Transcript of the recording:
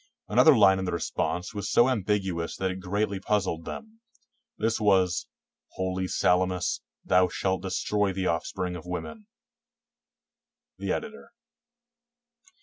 Another line in the response was so ambiguous that it greatly puzzled them. This was, "Holy Salamis, thou shalt destroy the offspring of women." The Editor.